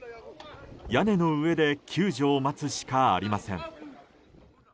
屋根の上で救助を待つしかありません。